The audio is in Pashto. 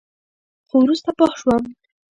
خو وروسته پوه شوم.